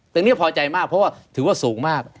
ตรงนี้พอใจมากเพราะว่าถือว่าสูงมาก